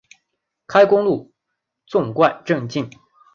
开公路纵贯镇境。